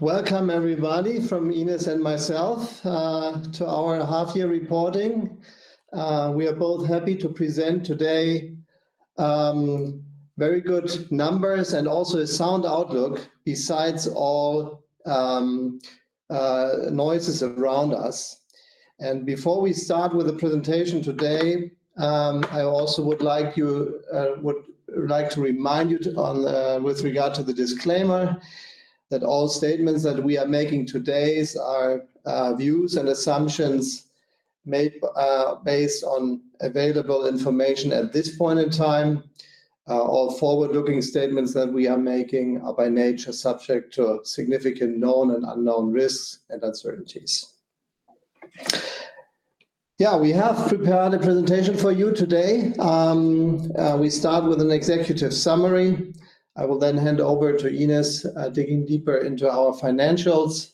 Welcome everybody, from Ines and myself, to our half year reporting. We are both happy to present today very good numbers and also a sound outlook besides all noises around us. Before we start with the presentation today, I also would like to remind you with regard to the disclaimer, that all statements that we are making today are views and assumptions made based on available information at this point in time. All forward-looking statements that we are making are by nature subject to significant known and unknown risks and uncertainties. We have prepared a presentation for you today. We start with an executive summary. I will then hand over to Ines, digging deeper into our financials.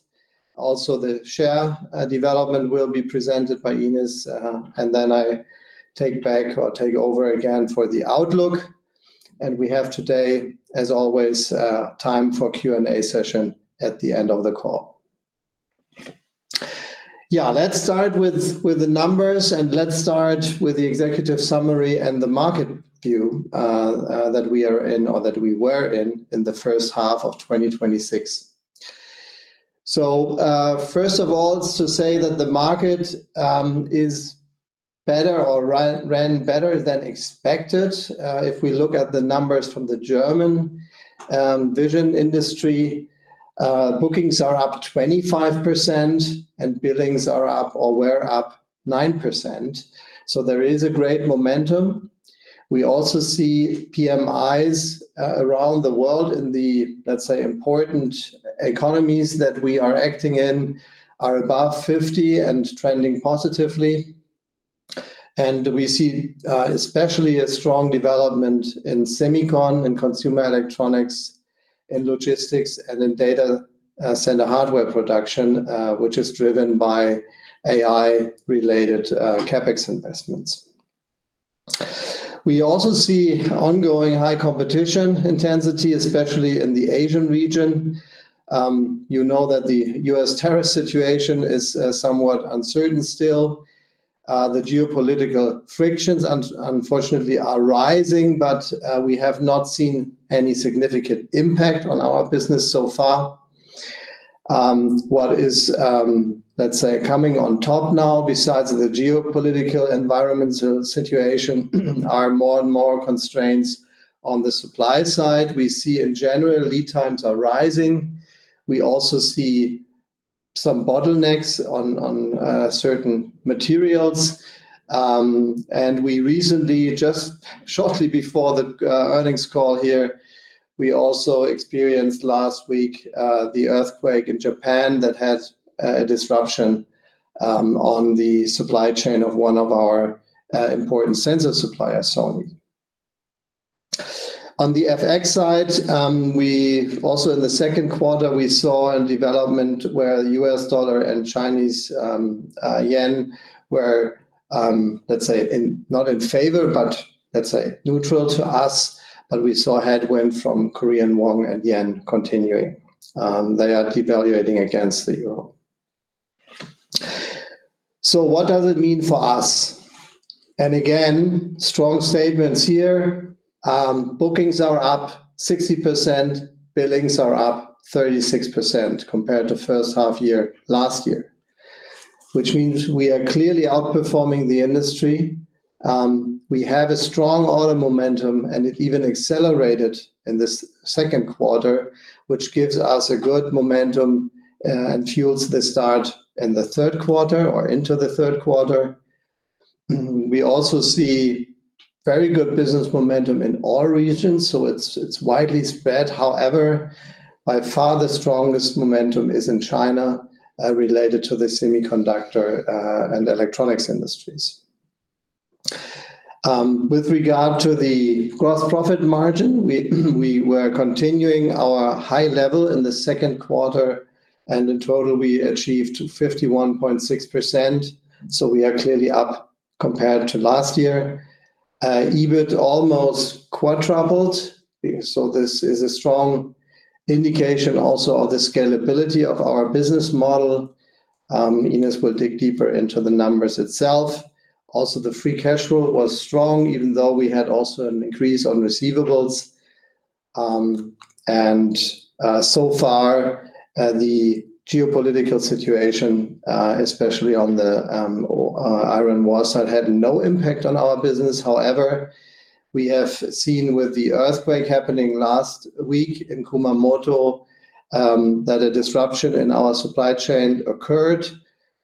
Also, the share development will be presented by Ines, then I take over again for the outlook. We have today, as always, time for Q&A session at the end of the call. Let's start with the numbers and let's start with the executive summary and the market view that we are in, or that we were in the first half of 2026. First of all, to say that the market ran better than expected. If we look at the numbers from the German vision industry, bookings are up 25% and billings were up 9%. There is a great momentum. We also see PMIs around the world in the, let's say, important economies that we are acting in are above 50 and trending positively. We see especially a strong development in semicon and consumer electronics and logistics, and then data center hardware production, which is driven by AI-related CapEx investments. We also see ongoing high competition intensity, especially in the Asian region. You know that the U.S. tariff situation is somewhat uncertain still. The geopolitical frictions, unfortunately, are rising, we have not seen any significant impact on our business so far. What is, let's say, coming on top now, besides the geopolitical environment situation, are more and more constraints on the supply side. We see in general, lead times are rising. We also see some bottlenecks on certain materials. We recently, just shortly before the earnings call here, we also experienced last week, the earthquake in Japan that had a disruption on the supply chain of one of our important sensor suppliers, Sony. On the FX side, also in the second quarter, we saw a development where the U.S. dollar and Chinese yuan were, let's say, not in favor, let's say neutral to us. We saw a headwind from Korean won and yen continuing. They are devaluating against the euro. What does it mean for us? Again, strong statements here. Bookings are up 60%, billings are up 36% compared to first half year last year, which means we are clearly outperforming the industry. We have a strong order momentum, it even accelerated in this second quarter, which gives us a good momentum and fuels the start into the third quarter. We also see very good business momentum in all regions, it's widely spread. However, by far the strongest momentum is in China, related to the Semiconductor and Electronics industries. With regard to the gross profit margin, we were continuing our high level in the second quarter, in total, we achieved 51.6%. We are clearly up compared to last year. EBIT almost quadrupled. This is a strong indication also of the scalability of our business model. Ines will dig deeper into the numbers itself. Also, the free cash flow was strong, even though we had also an increase on receivables. So far, the geopolitical situation, especially on the Iran war side, had no impact on our business. However, we have seen with the earthquake happening last week in Kumamoto, that a disruption in our supply chain occurred.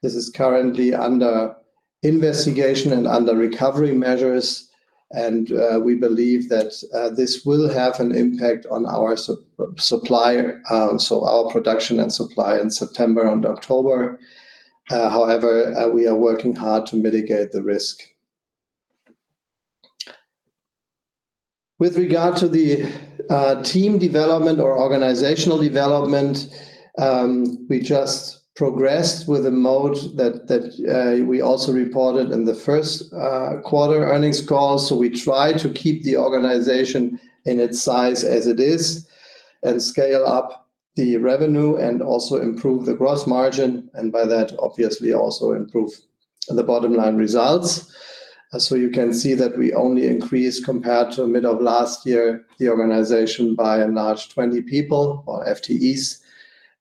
This is currently under investigation and under recovery measures. We believe that this will have an impact on our production and supply in September and October. However, we are working hard to mitigate the risk. With regard to the team development or organizational development, we just progressed with a mode that we also reported in the first quarter earnings call. We try to keep the organization in its size as it is and scale up the revenue and also improve the gross margin, and by that, obviously also improve the bottom line results. You can see that we only increased, compared to mid of last year, the organization by and large 20 people or FTEs.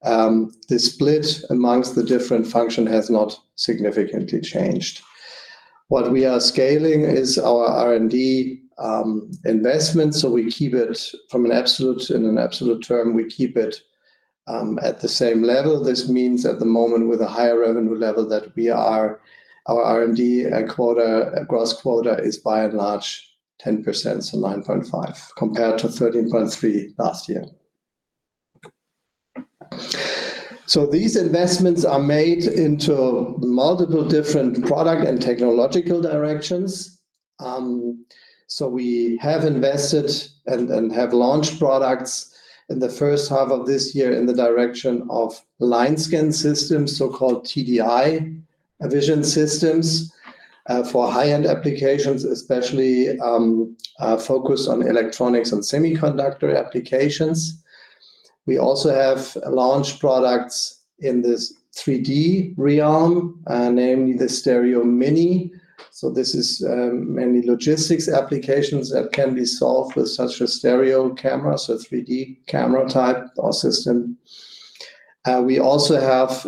The split amongst the different function has not significantly changed. What we are scaling is our R&D investment, we keep it from an absolute, in an absolute term, we keep it at the same level. This means at the moment, with a higher revenue level that our R&D quota, gross quota, is by and large 10%, 9.5%, compared to 13.3% last year. These investments are made into multiple different product and technological directions. We have invested and have launched products in the first half of this year in the direction of line scan systems, so-called TDI Vision Systems, for high-end applications, especially focused on electronics and semiconductor applications. We also have launch products in this 3D realm, namely the Stereo mini. This is mainly logistics applications that can be solved with such a stereo camera, 3D camera type or system. We also have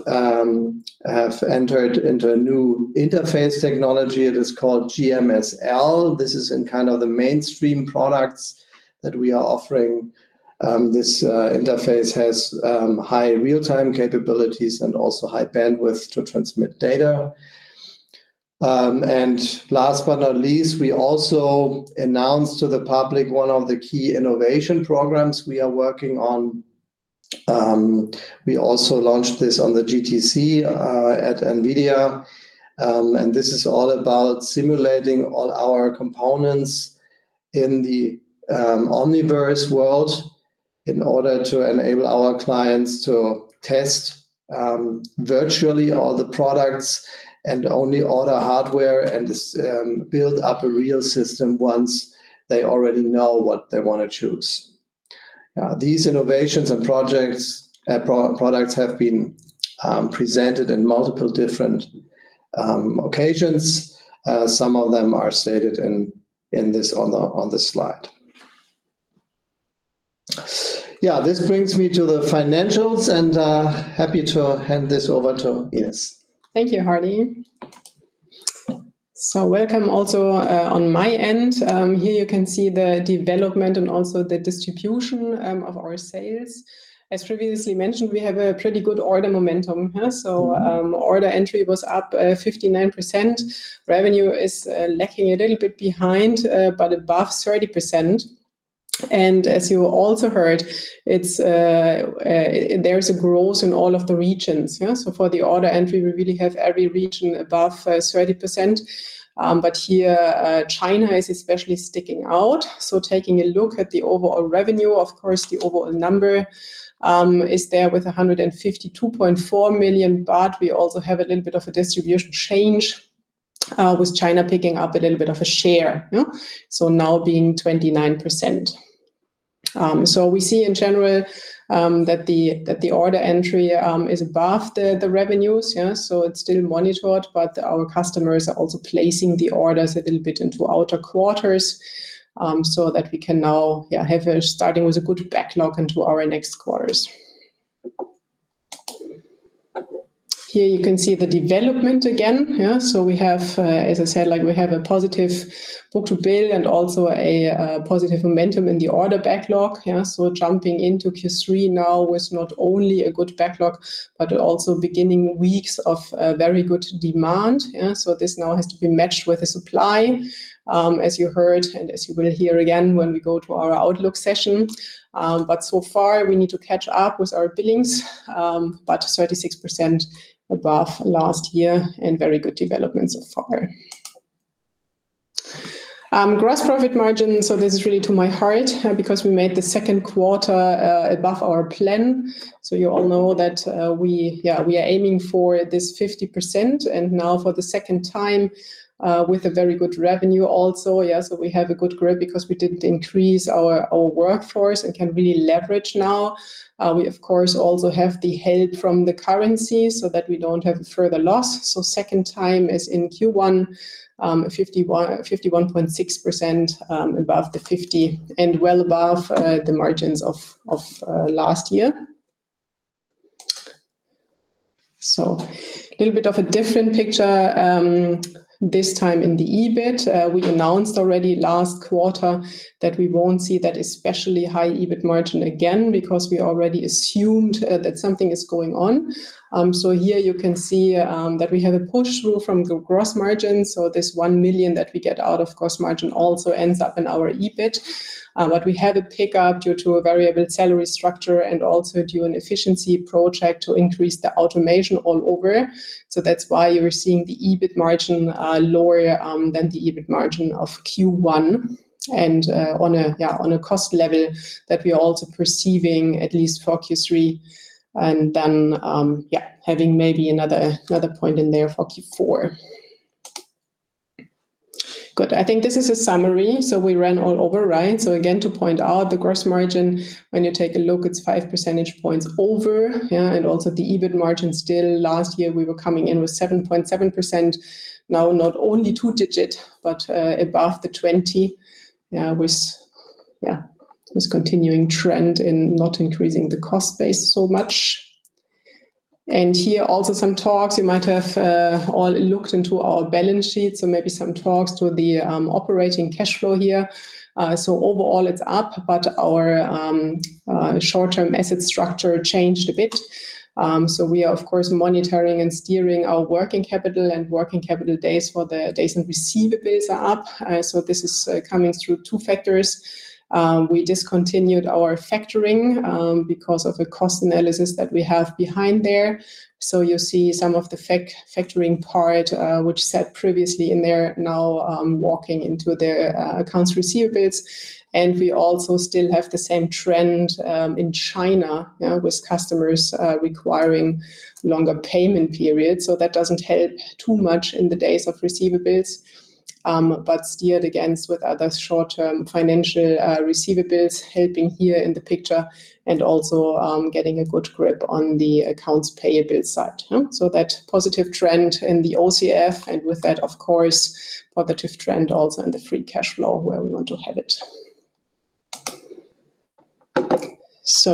entered into a new interface technology. It is called GMSL. This is in the mainstream products that we are offering. This interface has high real-time capabilities and also high bandwidth to transmit data. Last but not least, we also announced to the public one of the key innovation programs we are working on. We also launched this on the GTC, at NVIDIA. This is all about simulating all our components in the Omniverse world in order to enable our clients to test virtually all the products and only order hardware and build up a real system once they already know what they want to choose. These innovations and products have been presented in multiple different occasions. Some of them are stated on this slide. This brings me to the financials, and happy to hand this over to Ines. Thank you, Hardy. Welcome also on my end. Here you can see the development and also the distribution of our sales. As previously mentioned, we have a pretty good order momentum. Order entry was up 59%. Revenue is lacking a little bit behind, but above 30%. As you also heard, there is a growth in all of the regions. For the order entry, we really have every region above 30%. Here, China is especially sticking out. Taking a look at the overall revenue, of course, the overall number is there with 152.4 million, but we also have a little bit of a distribution change, with China picking up a little bit of a share. Now being 29%. We see in general that the order entry is above the revenues. It is still monitored, but our customers are also placing the orders a little bit into outer quarters, so that we can now have a starting with a good backlog into our next quarters. Here you can see the development again. We have, as I said, we have a positive book-to-bill and also a positive momentum in the order backlog. Jumping into Q3 now with not only a good backlog, but also beginning weeks of very good demand. This now has to be matched with the supply, as you heard, and as you will hear again when we go to our outlook session. So far, we need to catch up with our billings, but 36% above last year and very good development so far. Gross profit margin, this is really to my heart, because we made the second quarter above our plan. You all know that we are aiming for this 50%, and now for the second time, with a very good revenue also. We have a good grip because we did not increase our workforce and can really leverage now. We, of course, also have the help from the currency so that we do not have further loss. Second time is in Q1, 51.6% above the 50 and well above the margins of last year. A little bit of a different picture this time in the EBIT. We announced already last quarter that we will not see that especially high EBIT margin again because we already assumed that something is going on. Here you can see that we have a push rule from the gross margin, this 1 million that we get out of gross margin also ends up in our EBIT. We had a pickup due to a variable salary structure and also due an efficiency project to increase the automation all over. That is why you are seeing the EBIT margin lower than the EBIT margin of Q1 and on a cost level that we are also perceiving at least for Q3 and then having maybe another point in there for Q4. Good. I think this is a summary, we ran all over, right? Again, to point out the gross margin, when you take a look, it is 5 percentage points over. Also the EBIT margin still, last year, we were coming in with 7.7%. Now, not only two-digit but above the 20 with continuing trend in not increasing the cost base so much. Here also some talks. You might have all looked into our balance sheets, maybe some talks to the operating cash flow here. Overall, it's up, but our short-term asset structure changed a bit. We are, of course, monitoring and steering our working capital and working capital days for the days and receivables are up. This is coming through two factors. We discontinued our factoring because of a cost analysis that we have behind there. You see some of the factoring part, which sat previously in there now walking into the accounts receivables. We also still have the same trend in China, with customers requiring longer payment periods. That doesn't help too much in the days of receivables. Steered against with other short-term financial receivables, helping here in the picture and also getting a good grip on the accounts payable side. That positive trend in the OCF and with that, of course, positive trend also in the free cash flow where we want to have it.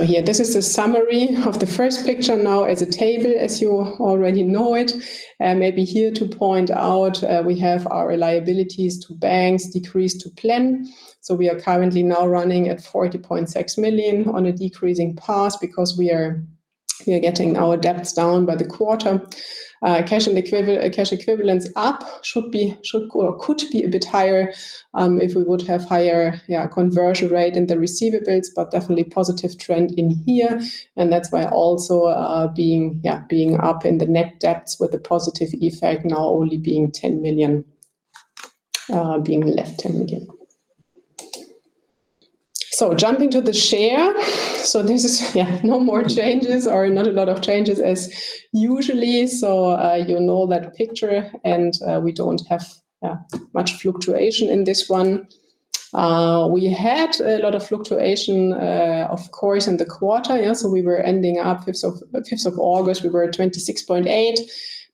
Here, this is a summary of the first picture now as a table, as you already know it. Maybe here to point out, we have our liabilities to banks decrease to plan. We are currently now running at 40.6 million on a decreasing path because we are getting our debts down by the quarter. Cash equivalents up, could be a bit higher if we would have higher conversion rate in the receivables, but definitely positive trend in here. That's why also being up in the net debts with a positive effect now only being left EUR 10 million. Jumping to the share. This is no more changes or not a lot of changes as usually. You know that picture, we don't have much fluctuation in this one. We had a lot of fluctuation, of course, in the quarter. We were ending up, 5th of August, we were at 26.8.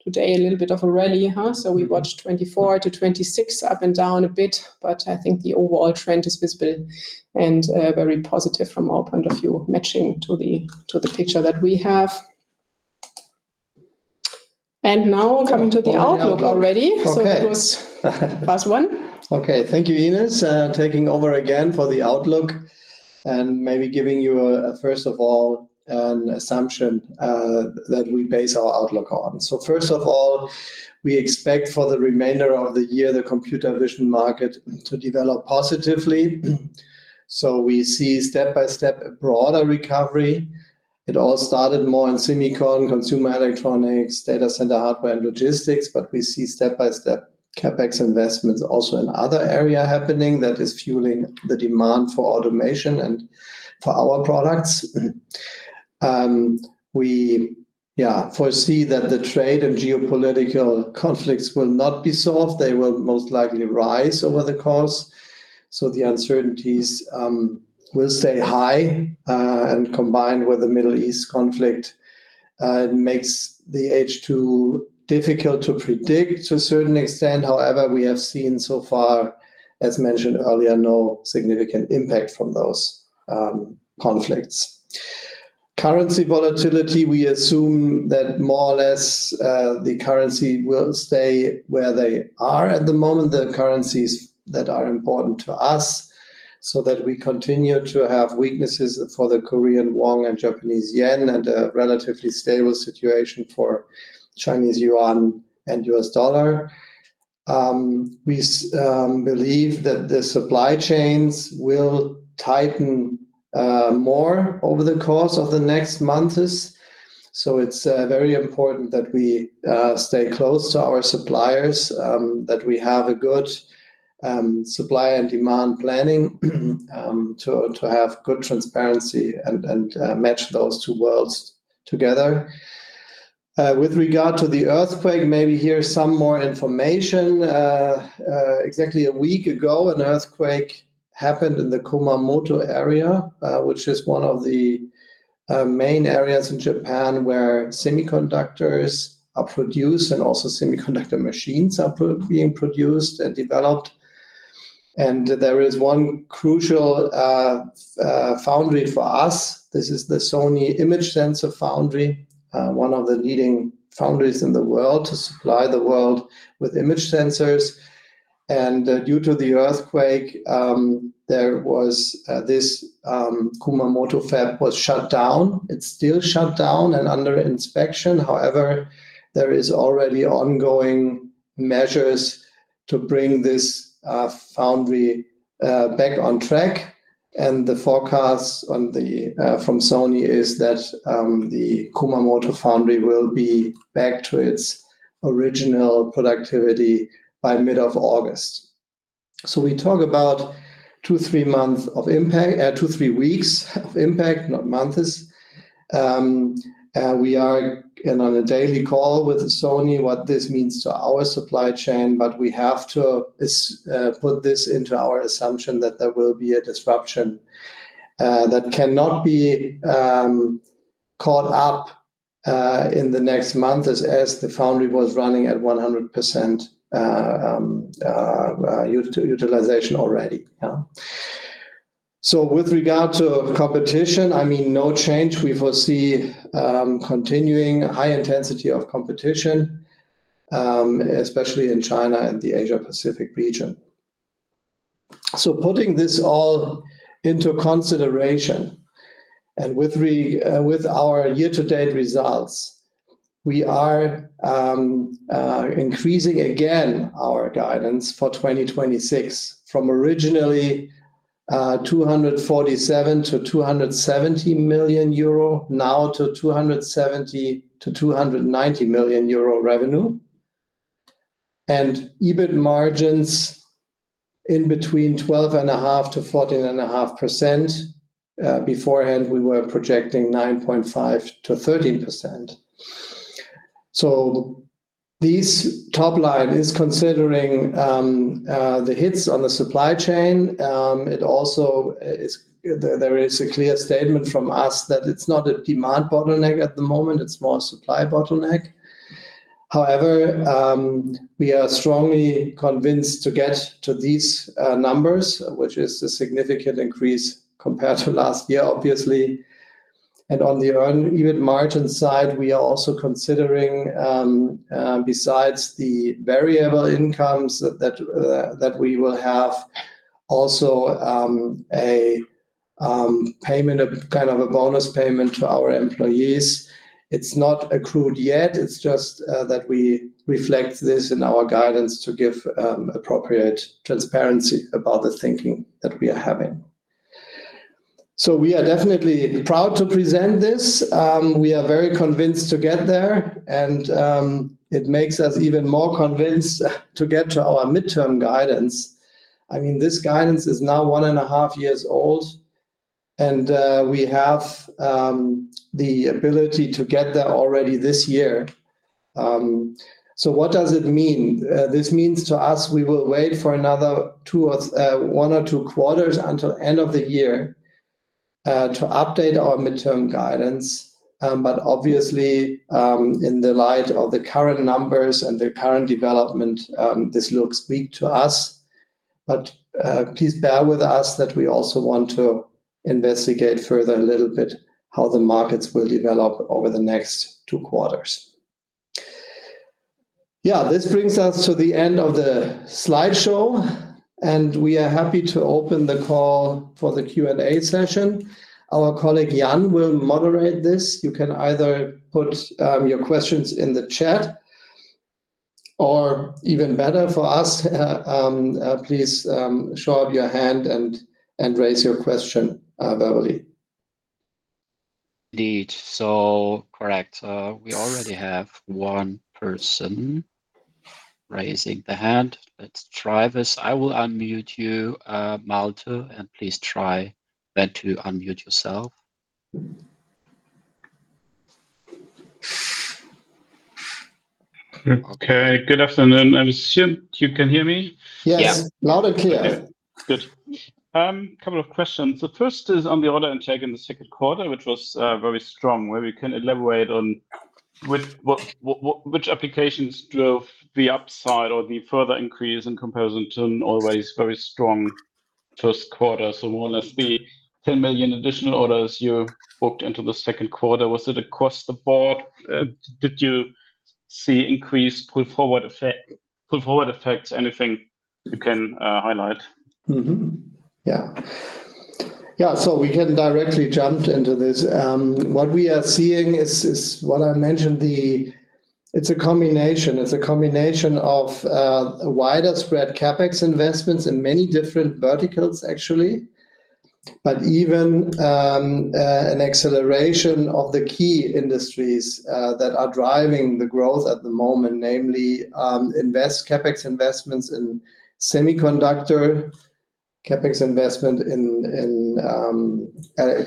Today, a little bit of a rally, huh? We watched 24-26 up and down a bit, but I think the overall trend is visible and very positive from our point of view, matching to the picture that we have. Now coming to the outlook already. Okay. It was last one. Thank you, Ines. Taking over again for the outlook and maybe giving you, first of all, an assumption that we base our outlook on. First of all, we expect for the remainder of the year, the computer vision market to develop positively. We see step-by-step a broader recovery. It all started more in semicon, consumer electronics, data center, hardware, and logistics, but we see step-by-step CapEx investments also in other area happening that is fueling the demand for automation and for our products. We foresee that the trade and geopolitical conflicts will not be solved. They will most likely rise over the course. The uncertainties will stay high, and combined with the Middle East conflict, makes the H2 difficult to predict. To a certain extent, however, we have seen so far, as mentioned earlier, no significant impact from those conflicts. Currency volatility, we assume that more or less the currency will stay where they are at the moment, the currencies that are important to us, so that we continue to have weaknesses for the Korean won and Japanese yen and a relatively stable situation for Chinese yuan and U.S. Dollar. We believe that the supply chains will tighten more over the course of the next months. It's very important that we stay close to our suppliers, that we have a good supply and demand planning to have good transparency and match those two worlds together. With regard to the earthquake, maybe here some more information. Exactly a week ago, an earthquake happened in the Kumamoto area, which is one of the main areas in Japan where semiconductors are produced and also semiconductor machines are being produced and developed. There is one crucial foundry for us. This is the Sony image sensor foundry, one of the leading foundries in the world to supply the world with image sensors. Due to the earthquake, this Kumamoto fab was shut down. It's still shut down and under inspection. However, there is already ongoing measures to bring this foundry back on track, and the forecast from Sony is that the Kumamoto foundry will be back to its original productivity by mid of August. We talk about Two, three weeks of impact, not months. We are on a daily call with Sony, what this means to our supply chain, but we have to put this into our assumption that there will be a disruption that cannot be caught up in the next months, as the foundry was running at 100% utilization already. With regard to competition, no change. We foresee continuing high intensity of competition, especially in China and the Asia Pacific region. Putting this all into consideration and with our year-to-date results, we are increasing again our guidance for 2026 from originally 247 million-270 million euro, now to 270 million-290 million euro revenue and EBIT margins in between 12.5%-14.5%. Beforehand, we were projecting 9.5%-13%. This top line is considering the hits on the supply chain. There is a clear statement from us that it's not a demand bottleneck at the moment, it's more a supply bottleneck. However, we are strongly convinced to get to these numbers, which is a significant increase compared to last year, obviously. On the EBIT margin side, we are also considering, besides the variable incomes that we will have also a bonus payment to our employees. It's not accrued yet, it's just that we reflect this in our guidance to give appropriate transparency about the thinking that we are having. We are definitely proud to present this. We are very convinced to get there, and it makes us even more convinced to get to our midterm guidance. This guidance is now one and a half years old, and we have the ability to get there already this year. What does it mean? This means to us, we will wait for another one or two quarters until end of the year to update our midterm guidance. Obviously, in the light of the current numbers and the current development, this looks weak to us. Please bear with us that we also want to investigate further a little bit how the markets will develop over the next two quarters. This brings us to the end of the slideshow, and we are happy to open the call for the Q&A session. Our colleague, Jan, will moderate this. You can either put your questions in the chat or even better for us, please show up your hand and raise your question verbally. Indeed. Correct. We already have one person raising the hand. Let's try this. I will unmute you, Malte, and please try then to unmute yourself. Okay. Good afternoon. I assume you can hear me? Yes. Yes. Loud and clear. Good. Couple of questions. The first is on the order intake in the second quarter, which was very strong. Where we can elaborate on which applications drove the upside or the further increase in comparison to an always very strong first quarter. More or less the 10 million additional orders you booked into the second quarter, was it across the board? Did you see increased pull-forward effects? Anything you can highlight? We can directly jump into this. What we are seeing is what I mentioned. It's a combination of a wider spread CapEx investments in many different verticals, actually. Even an acceleration of the key industries that are driving the growth at the moment, namely CapEx investments in semiconductor, CapEx investment in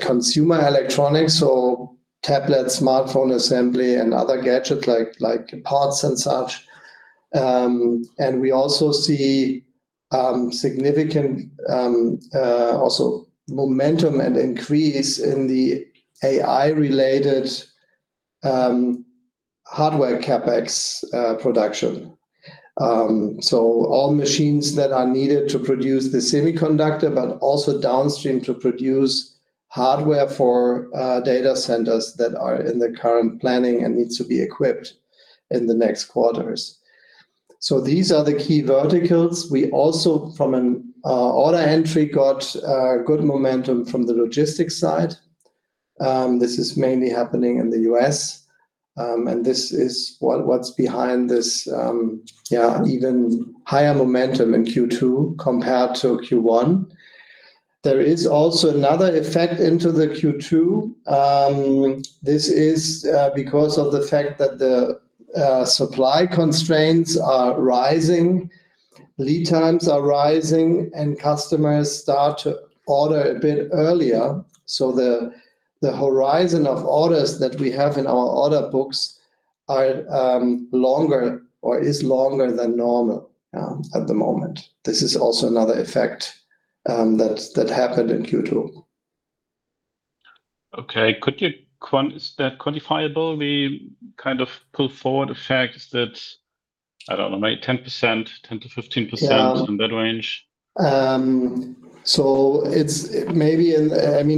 consumer electronics, so tablet, smartphone assembly, and other gadget-like parts and such. We also see significant momentum and increase in the AI-related hardware CapEx production. All machines that are needed to produce the semiconductor, but also downstream to produce hardware for data centers that are in the current planning and needs to be equipped in the next quarters. These are the key verticals. We also, from an order entry, got good momentum from the logistics side. This is mainly happening in the U.S., this is what's behind this even higher momentum in Q2 compared to Q1. There is also another effect into the Q2. This is because of the fact that the supply constraints are rising, lead times are rising, customers start to order a bit earlier. The horizon of orders that we have in our order books is longer than normal at the moment. This is also another effect that happened in Q2. Okay. Is that quantifiable? We pull forward the fact that, I don't know, maybe 10%, 10%-15% in that range?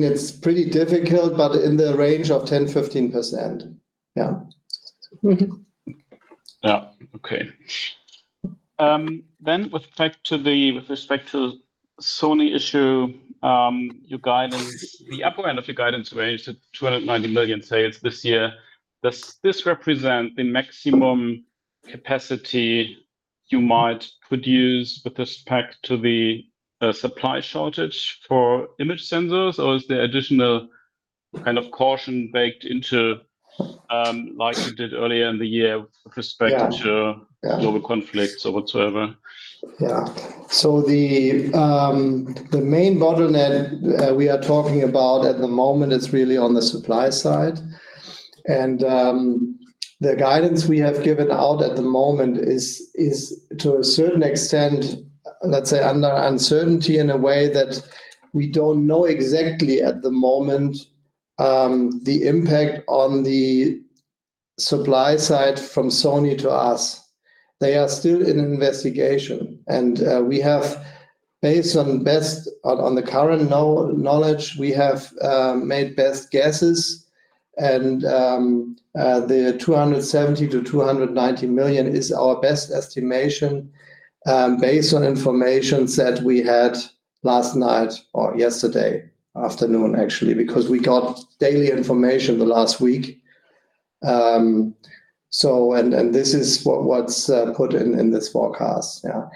It's pretty difficult, but in the range of 10%-15%. Yeah. Okay. With respect to the Sony issue, your guidance, the upper end of your guidance range said 290 million sales this year. Does this represent the maximum capacity you might produce with respect to the supply shortage for image sensors? Or is there additional kind of caution baked into, like you did earlier in the year with respect to global conflicts or whatsoever? Yeah. The main bottleneck we are talking about at the moment is really on the supply side. The guidance we have given out at the moment is, to a certain extent, let's say under uncertainty in a way that we don't know exactly at the moment, the impact on the supply side from Sony to us. They are still in investigation. Based on the current knowledge, we have made best guesses. The 270 million-290 million is our best estimation, based on information that we had last night, or yesterday afternoon, actually, because we got daily information the last week. This is what's put in this forecast. Yeah.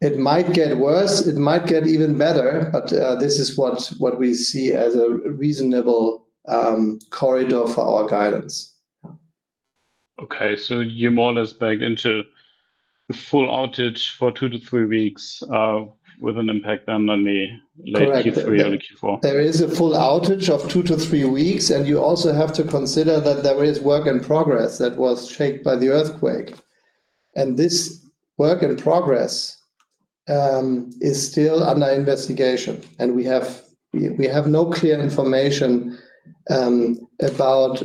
It might get worse, it might get even better. This is what we see as a reasonable corridor for our guidance. Okay. You're more or less backed into the full outage for two to three weeks, with an impact then on the late Q3 and Q4. There is a full outage of two to three weeks, and you also have to consider that there is work in progress that was shaped by the earthquake. This work in progress is still under investigation, and we have no clear information about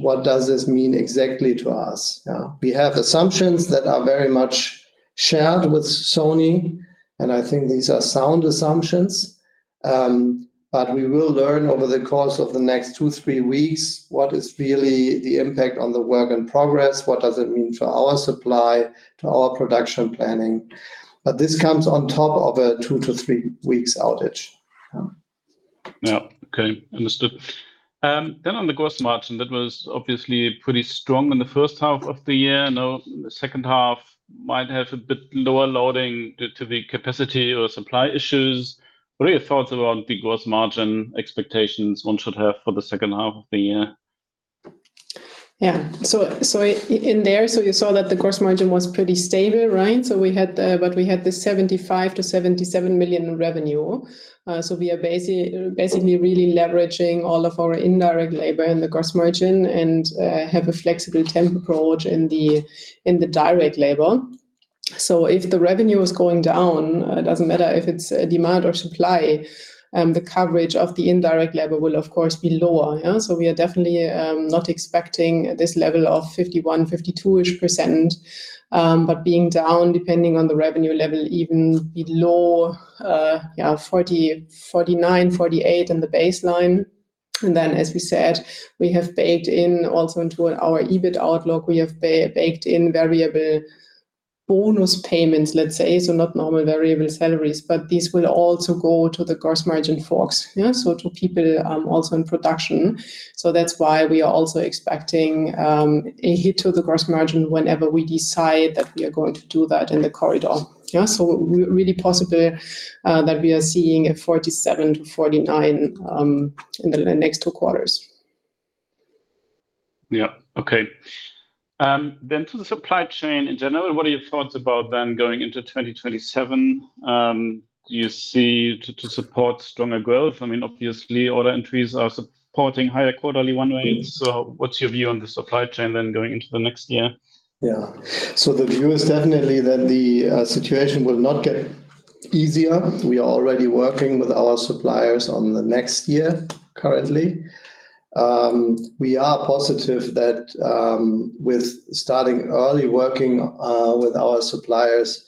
what does this mean exactly to us. We have assumptions that are very much shared with Sony, and I think these are sound assumptions. We will learn over the course of the next two, three weeks, what is really the impact on the work in progress. What does it mean for our supply, to our production planning? This comes on top of a two to three weeks outage. Yeah. Okay. Understood. On the gross margin, that was obviously pretty strong in the first half of the year. Now the second half might have a bit lower loading due to the capacity or supply issues. What are your thoughts about the gross margin expectations one should have for the second half of the year? In there, you saw that the gross margin was pretty stable, right? We had the 75 million-77 million revenue. We are basically really leveraging all of our indirect labor in the gross margin and have a flexible temp approach in the direct labor. If the revenue is going down, it doesn't matter if it's demand or supply, the coverage of the indirect labor will, of course, be lower. We are definitely not expecting this level of 51%-52%-ish. Being down, depending on the revenue level, even below 49%, 48% in the baseline. As we said, we have baked in also into our EBIT outlook. We have baked in variable bonus payments, let's say. Not normal variable salaries, but these will also go to the gross margin folks, so to people also in production. That's why we are also expecting a hit to the gross margin whenever we decide that we are going to do that in the corridor. Really possible that we are seeing a 47%-49% in the next two quarters. To the supply chain in general, what are your thoughts about then going into 2027, you see to support stronger growth? Obviously, order entries are supporting higher quarterly run rates. What's your view on the supply chain then going into the next year? The view is definitely that the situation will not get easier. We are already working with our suppliers on the next year currently. We are positive that, with starting early working with our suppliers,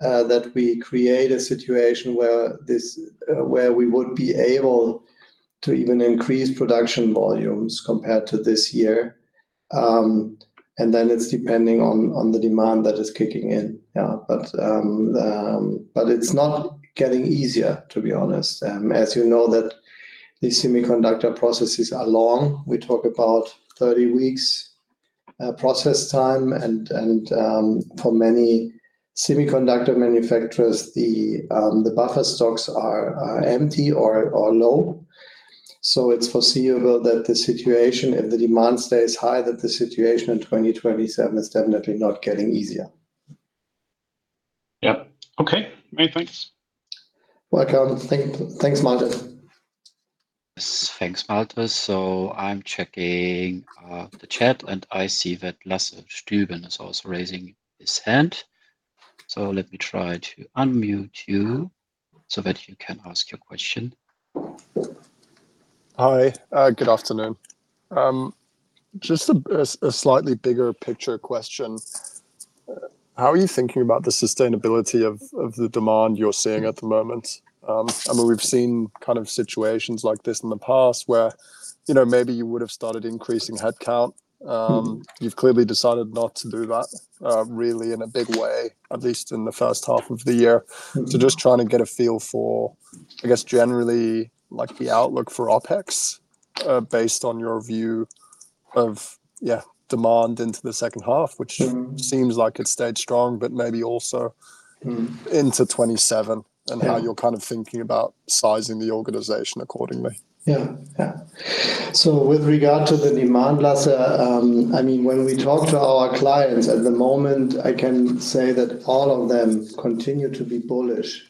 that we create a situation where we would be able to even increase production volumes compared to this year. Then it's depending on the demand that is kicking in. It's not getting easier, to be honest. As you know that the semiconductor processes are long. We talk about 30 weeks process time and for many semiconductor manufacturers, the buffer stocks are empty or low. It's foreseeable that the situation, if the demand stays high, that the situation in 2027 is definitely not getting easier. Many thanks. Welcome. Thanks, Malte. Thanks, Malte. I am checking the chat, and I see that Lasse Stüben is also raising his hand. Let me try to unmute you so that you can ask your question. Hi. Good afternoon. Just a slightly bigger picture question. How are you thinking about the sustainability of the demand you are seeing at the moment? We have seen situations like this in the past where, maybe you would have started increasing headcount. You have clearly decided not to do that really in a big way, at least in the first half of the year. Just trying to get a feel for, I guess, generally, the outlook for OpEx based on your view of demand into the second half. Which seems like it stayed strong, but maybe also into 2027. How you're thinking about sizing the organization accordingly? With regard to the demand, Lasse, when we talk to our clients at the moment, I can say that all of them continue to be bullish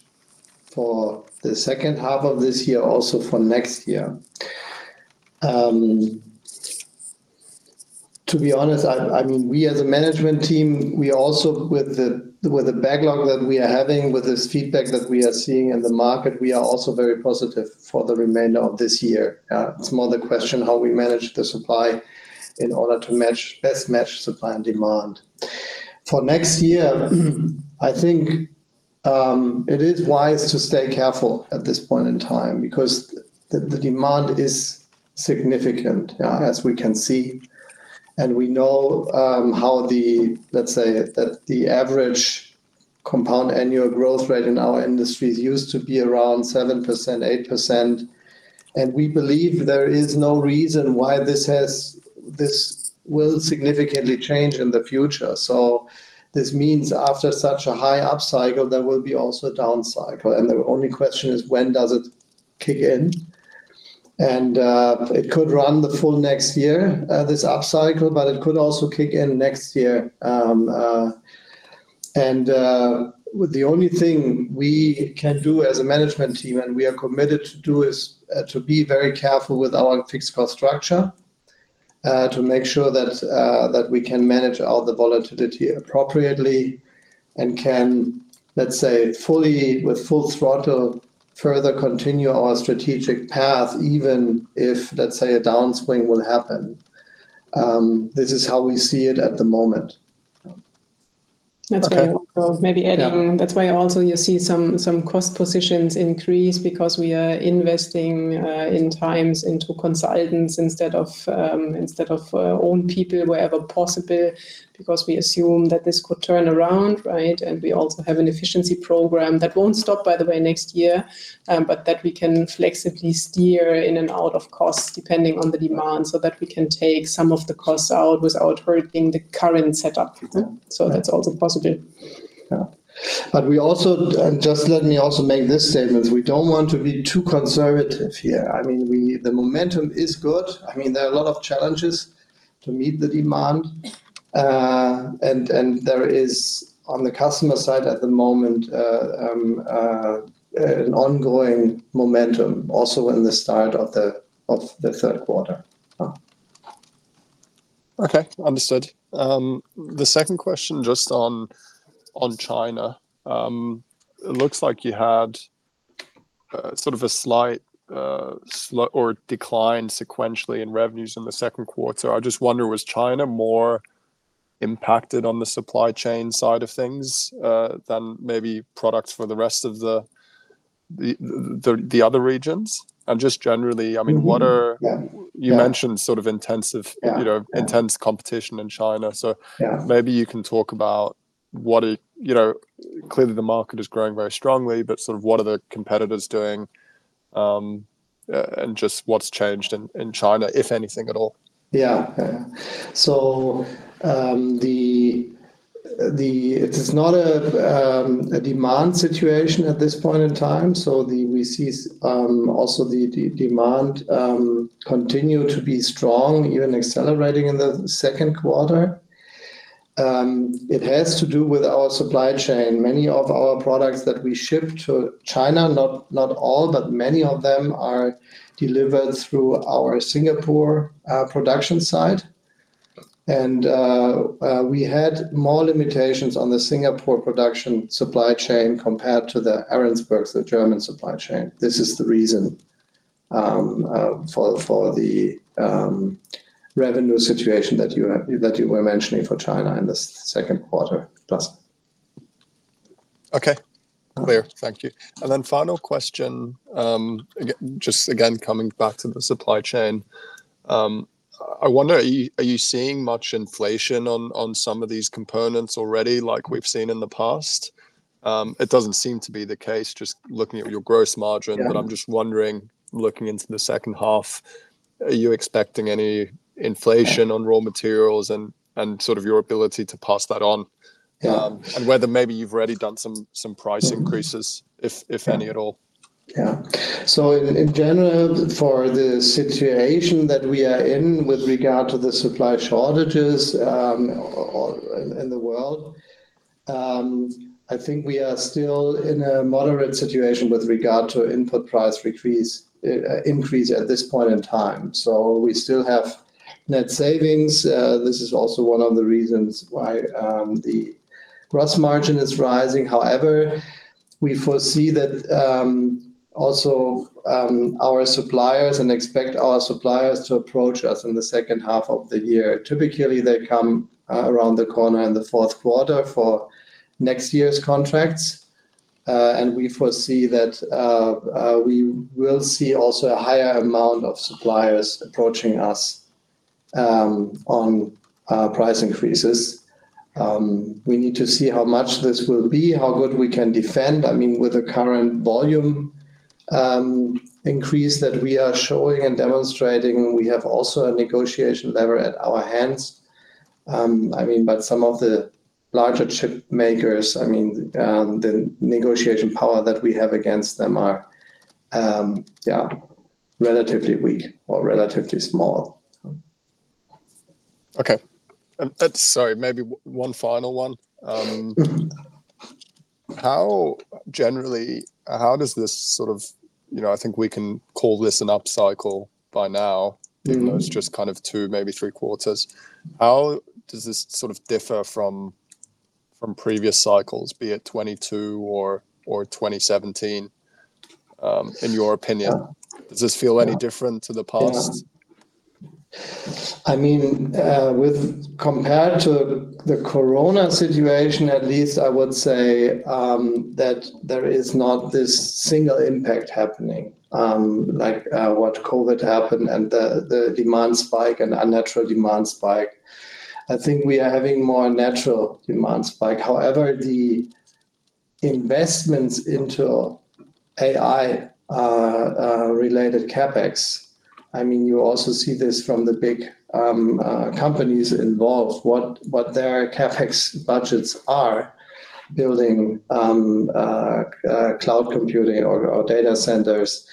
for the second half of this year, also for next year. To be honest, we as a management team, with the backlog that we are having, with this feedback that we are seeing in the market, we are also very positive for the remainder of this year. It's more the question how we manage the supply in order to best match supply and demand. For next year, I think it is wise to stay careful at this point in time because the demand is significant, as we can see. We know how the, let's say that the average compound annual growth rate in our industries used to be around 7%-8%. We believe there is no reason why this will significantly change in the future. This means after such a high up cycle, there will be also a down cycle. The only question is when does it kick in? It could run the full next year, this up cycle, but it could also kick in next year. The only thing we can do as a management team, and we are committed to do, is to be very careful with our fixed cost structure. To make sure that we can manage all the volatility appropriately and can, let's say, with full throttle, further continue our strategic path even if, let's say, a downswing will happen. This is how we see it at the moment. Okay. That's why also you see some cost positions increase because we are investing in times into consultants instead of our own people wherever possible, because we assume that this could turn around, right? We also have an efficiency program that won't stop, by the way, next year, but that we can flexibly steer in and out of cost depending on the demand, so that we can take some of the costs out without hurting the current setup. That's also possible. Just let me also make this statement. We don't want to be too conservative here. The momentum is good. There are a lot of challenges to meet the demand. There is, on the customer side at the moment, an ongoing momentum also in the start of the third quarter. Okay. Understood. The second question, just on China. It looks like you had sort of a slight or decline sequentially in revenues in the second quarter. I just wonder, was China more impacted on the supply chain side of things than maybe products for the rest of the other regions? Just generally, you mentioned sort of intense competition in China. Maybe you can talk about, clearly the market is growing very strongly, but sort of what are the competitors doing, and just what's changed in China, if anything at all? It is not a demand situation at this point in time. We see also the demand continue to be strong, even accelerating in the second quarter. It has to do with our supply chain. Many of our products that we ship to China, not all, but many of them are delivered through our Singapore production site. We had more limitations on the Singapore production supply chain compared to the Ahrensburg, the German supply chain. This is the reason for the revenue situation that you were mentioning for China in the second quarter, Lasse. Okay. Clear. Thank you. Final question, just again, coming back to the supply chain. I wonder, are you seeing much inflation on some of these components already like we've seen in the past? It doesn't seem to be the case, just looking at your gross margin. I'm just wondering, looking into the second half, are you expecting any inflation on raw materials and your ability to pass that on? Whether maybe you've already done some price increases, if any at all. In general, for the situation that we are in with regard to the supply shortages in the world, I think we are still in a moderate situation with regard to input price increase at this point in time. We still have net savings. This is also one of the reasons why the gross margin is rising. However, we foresee that also our suppliers and expect our suppliers to approach us in the second half of the year. Typically, they come around the corner in the fourth quarter for next year's contracts. We foresee that we will see also a higher amount of suppliers approaching us on price increases. We need to see how much this will be, how good we can defend. With the current volume increase that we are showing and demonstrating, we have also a negotiation lever at our hands. Some of the larger chip makers, the negotiation power that we have against them are relatively weak or relatively small. Sorry, maybe one final one. Generally, I think we can call this an up cycle by now. Even though it's just two, maybe three quarters. How does this differ from previous cycles, be it 2022 or 2017, in your opinion? Does this feel any different to the past? Yeah. Compared to the COVID situation, at least, I would say that there is not this single impact happening, like what COVID happened and the unnatural demand spike. I think we are having more natural demand spike. However, the investments into AI-related CapEx, you also see this from the big companies involved, what their CapEx budgets are building, cloud computing or data centers.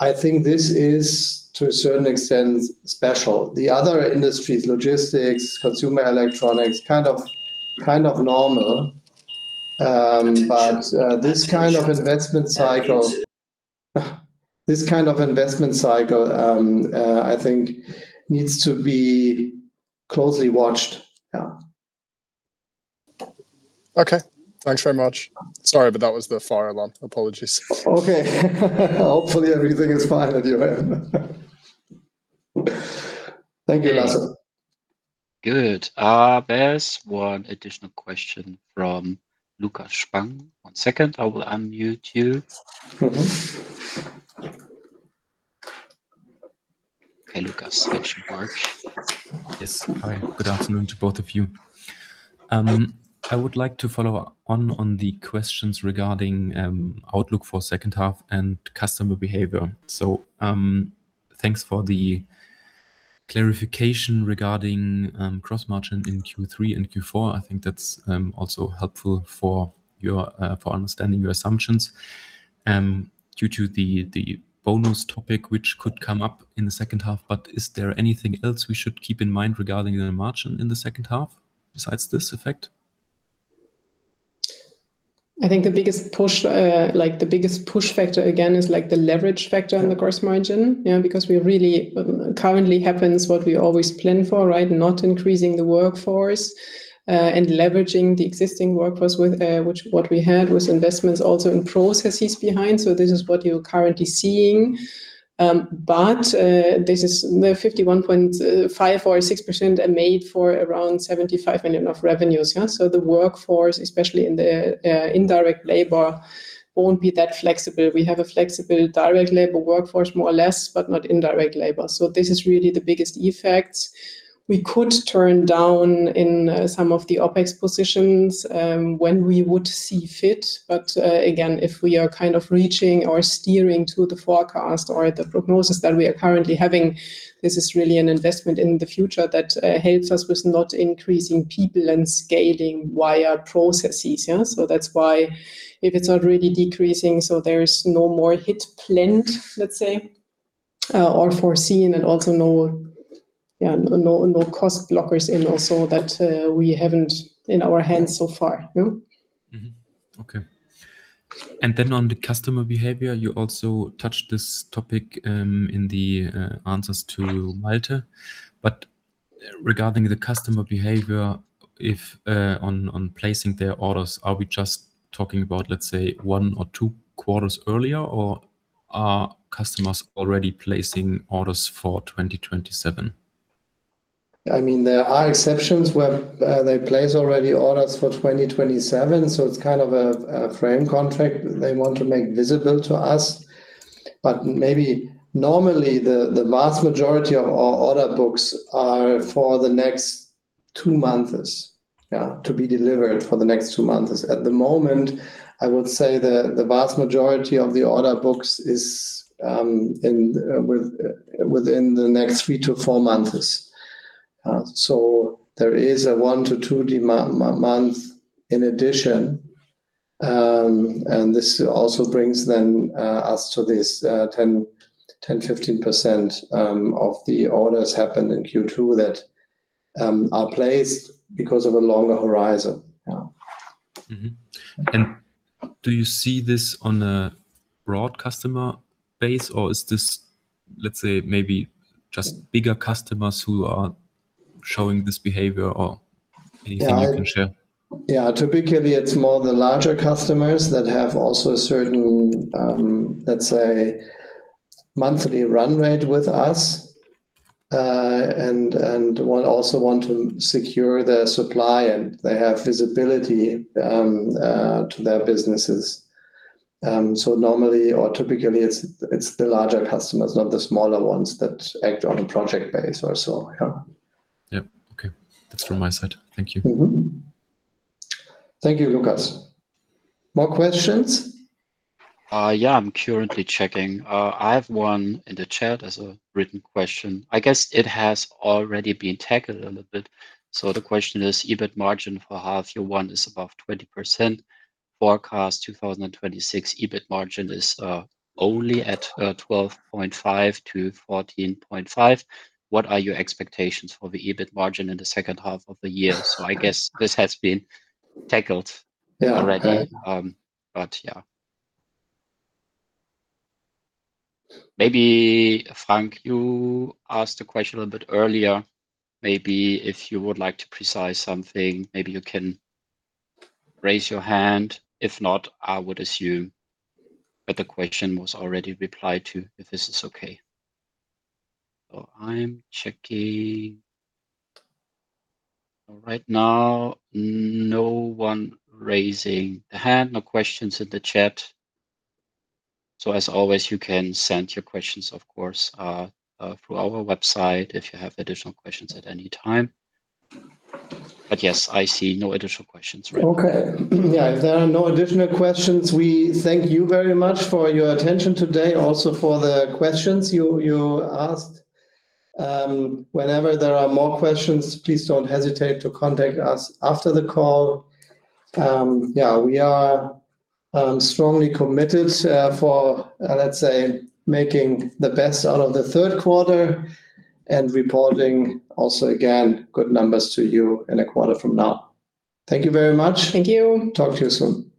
I think this is, to a certain extent, special. The other industries, logistics, consumer electronics, kind of normal. This kind of investment cycle I think needs to be closely watched. Okay. Thanks very much. Sorry, but that was the fire alarm. Apologies. Okay. Hopefully everything is fine at your end. Thank you, Lasse. Good. There's one additional question from Lukas Spang. One second, I will unmute you. Okay, Lukas, it should work. Hi, good afternoon to both of you. I would like to follow on on the questions regarding outlook for second half and customer behavior. Thanks for the clarification regarding gross margin in Q3 and Q4. I think that's also helpful for understanding your assumptions. Due to the bonus topic, which could come up in the second half, is there anything else we should keep in mind regarding the margin in the second half, besides this effect? I think the biggest push factor again is the leverage factor in the gross margin. Yeah, because we are really, currently happens what we always plan for, right? Not increasing the workforce, and leveraging the existing workforce with what we had with investments also in processes behind. This is what you're currently seeing. This is the 51.546% are made for around 75 million of revenues. The workforce, especially in the indirect labor, won't be that flexible. We have a flexible direct labor workforce, more or less, but not indirect labor. This is really the biggest effect. We could turn down in some of the OpEx positions, when we would see fit. Again, if we are reaching or steering to the forecast or the prognosis that we are currently having, this is really an investment in the future that helps us with not increasing people and scaling via processes. That's why if it's not really decreasing, there's no more hit planned, let's say, or foreseen and also no cost blockers in also that we haven't in our hands so far. No. Okay. Then on the customer behavior, you also touched this topic in the answers to Malte. Regarding the customer behavior, if on placing their orders, are we just talking about, let's say, one or two quarters earlier, or are customers already placing orders for 2027? There are exceptions where they place already orders for 2027, it's kind of a frame contract they want to make visible to us. Maybe normally the vast majority of our order books are for the next two months, to be delivered for the next two months. At the moment, I would say the vast majority of the order books is within the next three to four months. There is a one to two month in addition. This also brings then us to this 10%, 15% of the orders happened in Q2 that are placed because of a longer horizon. Do you see this on a broad customer base, or is this, let's say, maybe just bigger customers who are showing this behavior? Anything you can share? Typically, it's more the larger customers that have also a certain, let's say, monthly run rate with us, and also want to secure their supply, and they have visibility to their businesses. Normally, or typically, it's the larger customers, not the smaller ones that act on a project base also. Okay. That's from my side. Thank you. Thank you, Lukas. More questions? I'm currently checking. I have one in the chat as a written question. I guess it has already been tackled a little bit. The question is EBIT margin for half year one is above 20%. Forecast 2026 EBIT margin is only at 12.5%-14.5%. What are your expectations for the EBIT margin in the second half of the year? I guess this has been tackled already. Yeah. Go ahead. Maybe, Frank, you asked a question a little bit earlier. Maybe if you would like to precise something, maybe you can raise your hand. If not, I would assume that the question was already replied to, if this is okay. I am checking. Right now, no one raising a hand, no questions in the chat. As always, you can send your questions, of course, through our website if you have additional questions at any time. Yes, I see no additional questions right now. Okay. If there are no additional questions, we thank you very much for your attention today, also for the questions you asked. Whenever there are more questions, please don't hesitate to contact us after the call. Yeah, we are strongly committed for, let's say, making the best out of the third quarter and reporting also, again, good numbers to you in a quarter from now. Thank you very much. Thank you. Talk to you soon. Bye-bye.